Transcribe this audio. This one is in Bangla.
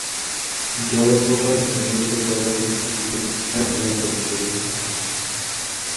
জলপ্রপাত শ্রেণীবদ্ধ করার জন্য বিভিন্ন ধরনের এবং পদ্ধতি আছে।